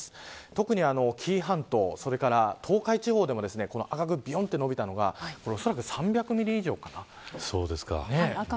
特に紀伊半島や東海地方でも赤く伸びたものがおそらく３００ミリ以上かな。